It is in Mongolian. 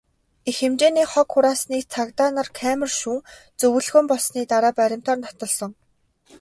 Их хэмжээний хог хураасныг цагдаа нар камер шүүн, зөвлөгөөн болсны дараа баримтаар нотолсон.